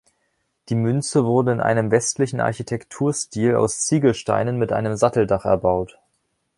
Die Münze wurde in einem westlichen Architektur-Stil aus Ziegelsteinen mit einem Satteldach erbaut.